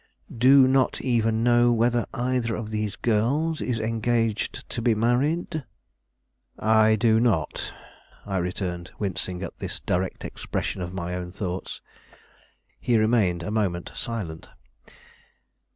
"Do not even know whether either of these girls is engaged to be married?" "I do not," I returned, wincing at this direct expression of my own thoughts. He remained a moment silent.